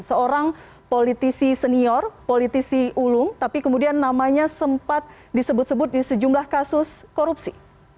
seorang politisi senior politisi ulung tapi kemudian namanya sempat disebut sebut di sejumlah kasus korupsi